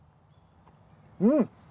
うん！